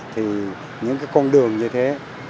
thì những cái con đường như thế